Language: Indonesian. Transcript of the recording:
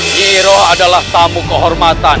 nyi iroh adalah tamu kehormatan